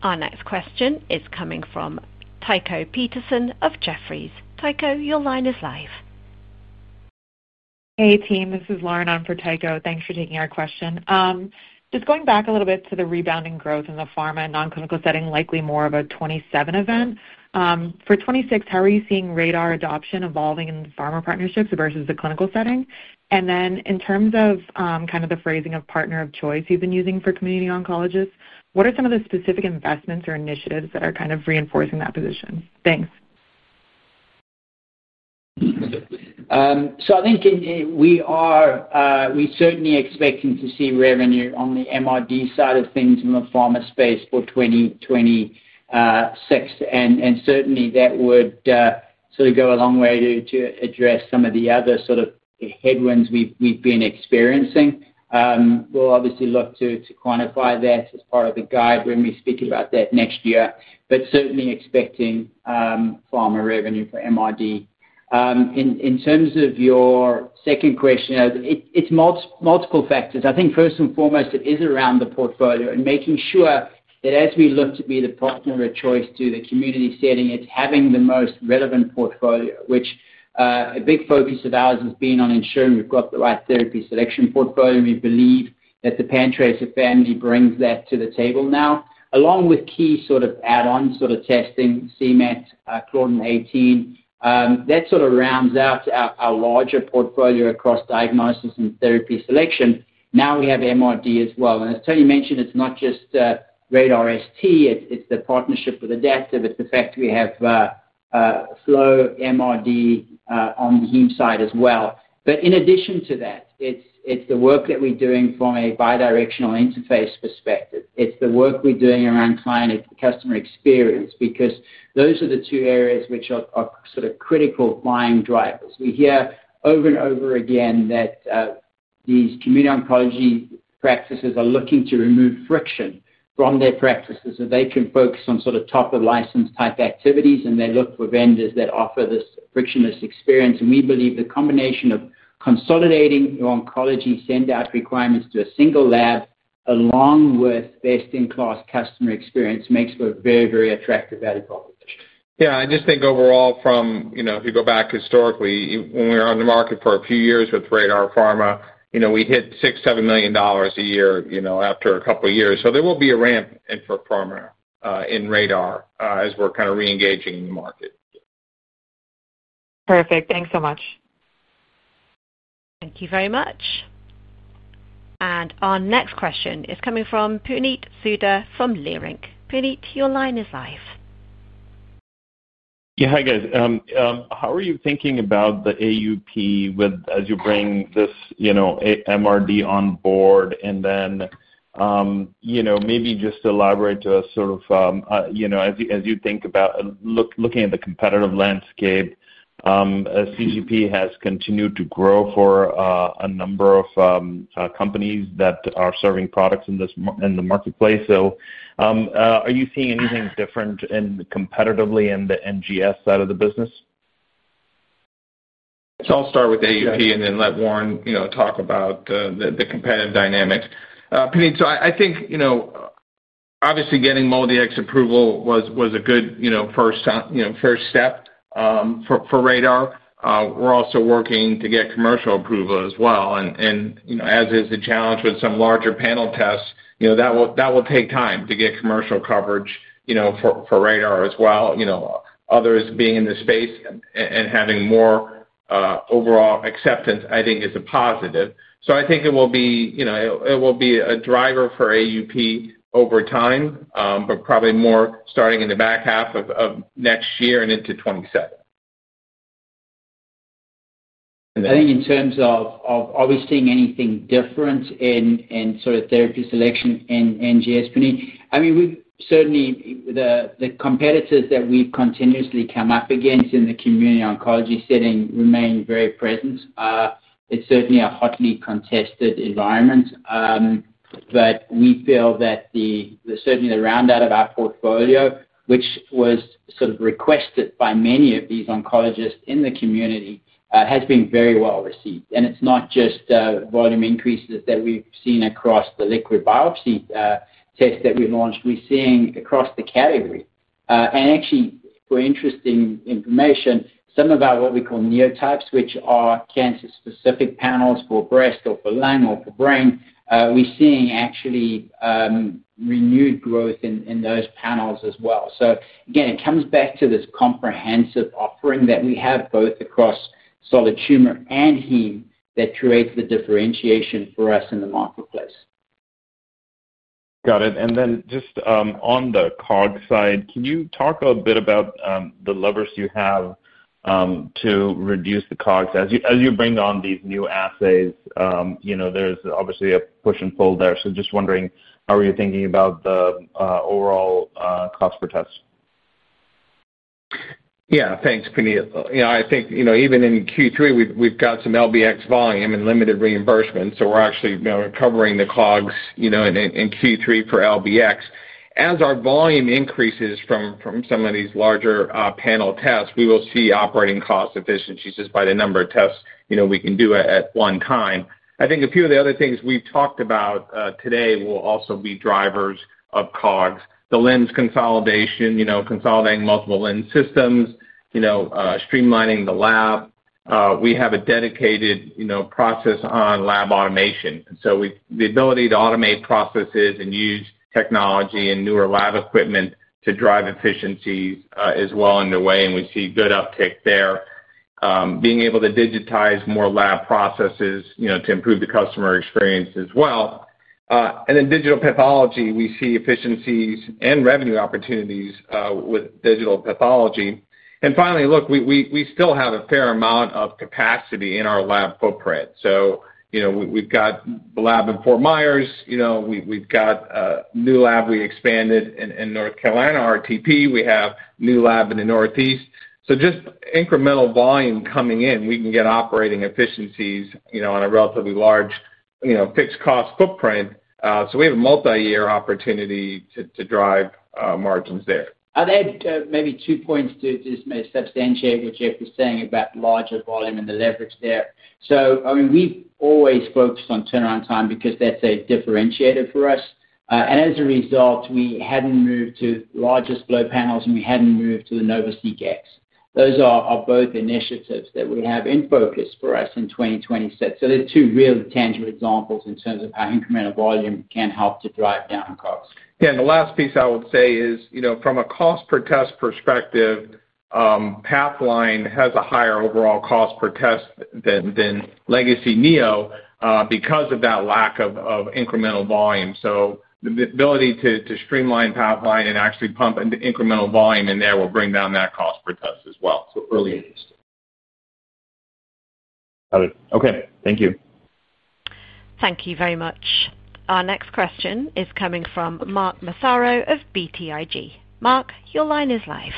Our next question is coming from Tycho Peterson of Jefferies. Tycho, your line is live. Hey team, this is Lauren on for Tycho. Thanks for taking our question. Just going back a little bit to the rebounding growth in the pharma and non clinical setting. Likely more of a 2027 event for 2026. How are you seeing RaDaR adoption evolving in pharma partnerships versus the clinical setting? In terms of kind of the phrasing of partner of choice you've been using for community oncologists, what are some of the specific investments or initiatives that are kind of reinforcing that position? Thanks. I think we certainly are expecting to see revenue on the MRD side of things in the pharma space for 2026, and certainly that would go a long way to address some of the other headwinds we've been experiencing. We'll obviously look to quantify that as part of the guide when we speak about that next year. Certainly expecting pharma revenue for MRD. In terms of your second question, it's multiple factors. I think first and foremost it is around the portfolio and making sure that as we look to be the proximity of choice to the community setting, it's having the most relevant portfolio, which a big focus of ours has been on ensuring we've got the right therapy selection portfolio. We believe that the PanTracer family brings that to the table now, along with key add-on testing like c-MET and claudin18 that rounds out our larger portfolio across diagnosis and therapy selection. Now we have MRD as well. As Tony mentioned, it's not just RaDaR ST, it's the partnership with Adaptive, it's the fact we have flow MRD on the heme side as well. In addition to that, it's the work that we're doing from a bi-directional interface perspective. It's the work we're doing around client customer experience because those are the two areas which are critical buying drivers. We hear over and over again that these community oncology practices are looking to remove friction from their practices so they can focus on top of license type activities. They look for vendors that offer this frictionless experience. We believe the combination of consolidating your oncology send out requirements to a single lab along with best-in-class customer experience makes for a very, very attractive value proposition. Yeah, I just think overall, if you go back historically, when. We were on the market for a. few years with Radar Pharma, you know, we hit $6 million, $7 million a year after a couple years. There will be a ramp in for pharma in Radar as we're kind of reengaging in the market. Perfect. Thank you very much. Our next question is coming from Puneet Souda from Leerink. Puneet, your line is live. Yeah. Hi guys. How are you thinking about the AUP as you bring this MRD on board? Maybe just elaborate to us as you think about looking at the competitive landscape, CGP has continued. To grow for a number of companies. Are you seeing anything different competitively in the NGS side of the business? I'll start with AUP and then let Warren talk about the competitive dynamics, Puneet. I think obviously getting MolDX approval was a good first step for RaDaR. We're also working to get commercial approval as well. As is the challenge with some larger panel tests, that will take time to get commercial coverage for RaDaR as well. Others being in the space and having more overall acceptance I think is a positive. I think it will be a driver for AUP over time, but probably more starting in the back half of next year and into 2027. I think in terms of are we seeing anything different in sort of therapy selection in GSPNI? We certainly, the competitors that we've continuously come up against in the community oncology setting remain very present. It's certainly a hotly contested environment. We feel that certainly the round out of our portfolio, which was sort of requested by many of these oncologists in the community, has been very well received. It's not just volume increases that we've seen across the liquid biopsy test that we launched. We're seeing across the category and actually for interesting information, some of our, what we call NeoTypes, which are cancer specific panels for breast or for lung or brain, we're seeing actually renewed growth in those panels as well. It comes back to this comprehensive offering that we have both across solid tumor and heme that creates the differentiation for us in the marketplace. Got it. On the COGS side, can you talk a bit about the levers you have to reduce the COGS as you bring on these new assays? You know, there's obviously a push and pull there. Just wondering, how are you thinking about the overall cost per test? Yeah, thanks, Puneet. I think, even in Q3, we've got some LBX volume and limited reimbursement. We're actually covering the COGS in Q3 for LBX. As our volume increases from some of these larger panel tests, we will see operating cost efficiency just by the number of tests. We can do it at one time. I think a few of the other. Things we've talked about today will also be drivers of COGS, the LIMS consolidation, you know, consolidating multiple LIMS systems, you know, streamlining the lab. We have a dedicated, you know, process on lab automation. The ability to automate processes and use technology and newer lab equipment to drive efficiencies is well underway. We see good uptick there, being able to digitize more lab processes to improve the customer experience as well. Digital pathology, we see efficiencies and revenue opportunities with digital pathology. Finally, look, we still have a fair amount of capacity in our lab footprint. We've got the lab in Fort Myers, we've got new lab, we expanded in North Carolina, RTP, we have new lab in the Northeast. Just incremental volume coming in, we can get operating efficiencies on a relatively large fixed cost footprint. We have a multi-year opportunity to drive margins there. I'd add maybe two points to substantiate what Jeff was saying about larger volume and the leverage there. We always focus on turnaround time because that's a differentiator for us. As a result, we hadn't moved to largest flow panels and we hadn't moved to the NovaSeqX. Those are both initiatives that we have in focus for us in 2026. They are two real tangible examples in terms of how incremental volume can help to drive down costs. Yeah, the last piece I would say is, you know, from a cost per test perspective, Pathline has a higher overall cost per test than legacy NeoGenomics because of that lack of incremental volume. The ability to streamline Pathline and actually pump incremental volume in there will bring down that cost per test as well. Early interest. Got it. Okay, thank you. Thank you very much. Our next question is coming from Mark Massaro of BTIG. Mark, your line is live.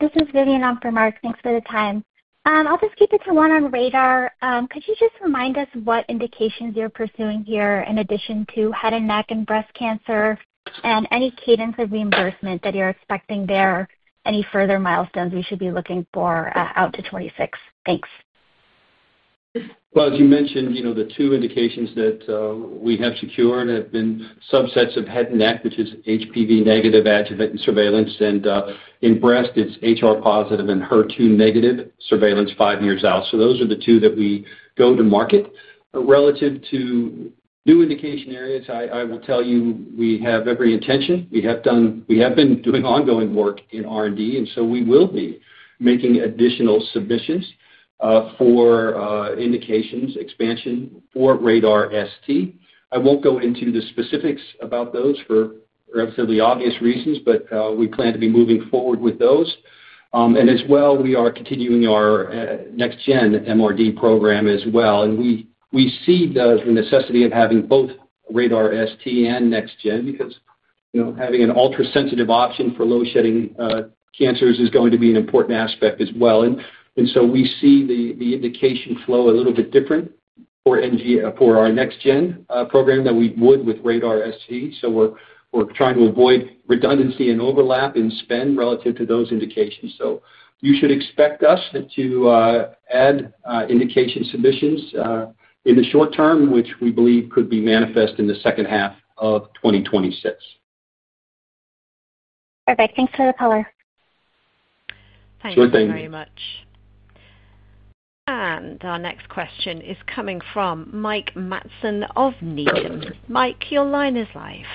This is Vivian on for Mark. Thanks for the time. I'll just keep it to one on RaDaR. Could you just remind us what indications you're pursuing here in addition to head and neck and breast cancer, and any cadence of reimbursement that you're expecting there, any further milestones we should be looking for out to 2026? Thanks. As you mentioned, the two indications that we have secured have been subsets of head and neck, which is HPV negative adjuvant surveillance. In breast, it's HR positive and HER2 negative surveillance five years out. Those are the two that we go to market with relative to new indication areas. I will tell you we have every intention, we have been doing ongoing work in R&D, and we will be making additional submissions for indications expansion for RaDaR ST. I won't go into the specifics about those for Radar, for relatively obvious reasons, but we plan to be moving forward with those. We are continuing our next-gen MRD program as well, and we see the necessity of having both RaDaR ST and next-gen because having an ultra-sensitive option for low-shedding cancers is going to be an important aspect as well. We see the indication flow a little bit different for our next-gen program than we would with RaDaR ST. We're trying to avoid redundancy and overlap in spend relative to those indications. You should expect us to add indication submissions in the short term, which we believe could be manifest in the second half of 2026. Perfect. Thanks for the color. Thank you very much. Our next question is coming from Mike Matson of Needham. Mike, your line is live.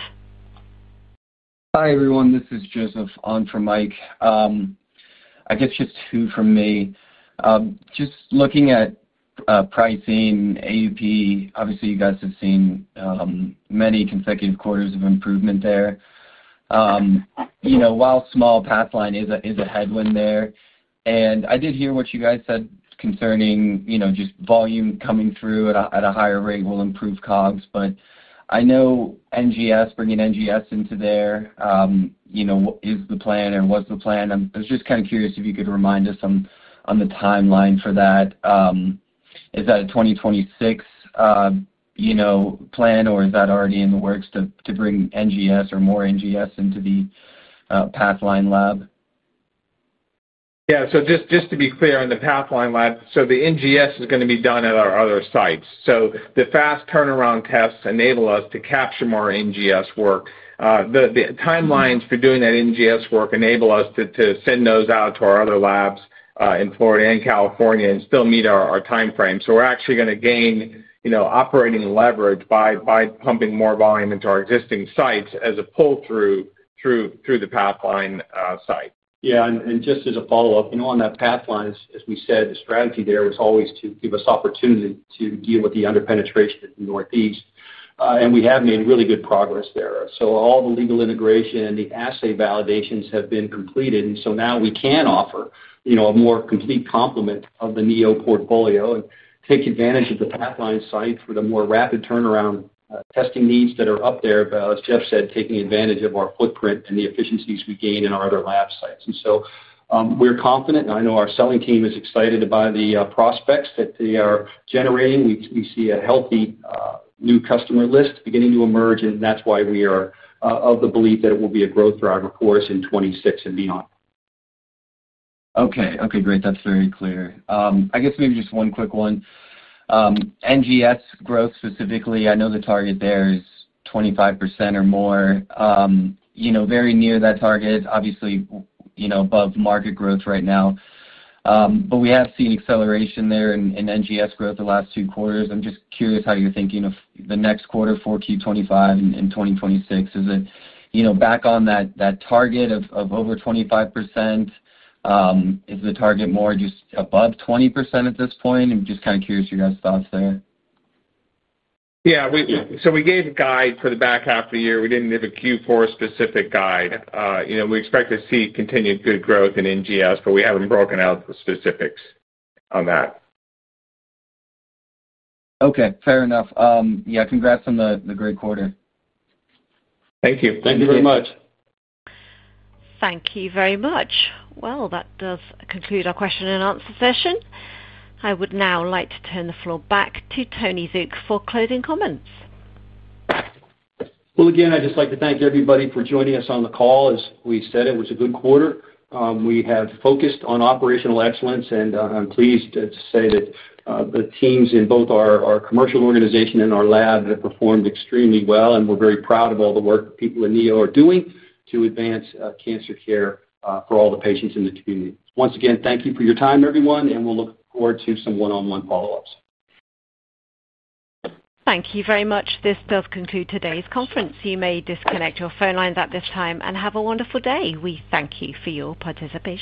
Hi everyone, this is Joseph on for Mike. I guess just two from me, just looking at pricing AUP. Obviously you guys have seen many consecutive quarters of improvement there. While small Pathline is a headwind there, I did hear what you guys said concerning just volume coming through at a higher rate will improve COGS. I know NGS, bringing NGS into there is the plan. What's the plan? I was just kind of curious if you could remind us on the timeline for that. Is that a 2026 plan or is that already in the works to bring NGS or more NGS into the Pathline lab? Yeah. Just to be clear on the Pathline lab, the NGS is going to be done at our other sites. The fast turnaround tests enable us to capture more NG work. The timelines for doing that NGS work enable us to send those out to our other labs in Florida and California and still meet our timeframe. We're actually going to gain operating leverage by pumping more volume into our existing sites as a pull through through the Pathline site. Yeah, and just as a follow up on that Pathline. As we said, the strategy there was always to give us opportunity to deal with the under penetration in the Northeast. We have made really good progress there. All the legal integration and the assay validations have been completed. Now we can offer, you know, a more complete complement of the NeoGenomics portfolio and take advantage of the Pathline site for the more rapid turnaround testing needs that are up there. As Jeff said, taking advantage of our footprint and the efficiencies we gain in our other lab sites, we're confident and I know our selling team is excited by the prospects that they are generating. We see a healthy new customer list beginning to emerge and that's why we are of the belief that it will be a growth driver for us in 2026 and beyond. Okay. Okay, great. That's very clear. I guess maybe just one quick one. NGS growth specifically. I know the target there is 25% or more, you know, very near that target, obviously, you know, above market growth right now. We have seen acceleration there in NGS growth the last two quarters. I'm just curious how you're thinking of the next quarter for Q2 2025 and 2026. Is it, you know, back on that target of over 25%, is the target more just above 20% at this point? I'm just kind of curious your guys' thoughts there. Yeah, so we gave a guide for the back half of the year. We didn't have a Q4 specific guide. You know, we expect to see continued good growth in NGS, but we haven't broken out the specifics on that. Okay, fair enough. Yeah. Congrats on the great quarter. Thank you. Thank you very much. Thank you very much. That does conclude our question-and-answer session. I would now like to turn the floor back to Tony Zook for closing comments. I’d just like to thank everybody for joining us on the call. As we said, it was a good quarter. We have focused on operational excellence, and I'm pleased to say that the teams in both our commercial organization and our lab have performed extremely well. We're very proud of all the work that people in NeoGenomics are doing to advance cancer care for all the patients in the community. Once again, thank you for your time everyone, and we'll look forward to some one on one follow ups. Thank you very much. This does conclude today's conference. You may disconnect your phone lines at this time and have a wonderful day. We thank you for your participation.